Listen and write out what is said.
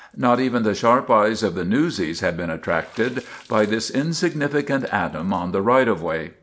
Not even the sharp eyes of the newsies had been attracted by this insignificant atom on the right of way.